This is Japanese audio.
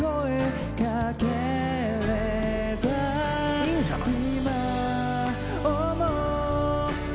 いいんじゃない？